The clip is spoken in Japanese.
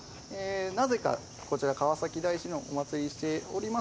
なぜかこちら川崎大師のお祭りしております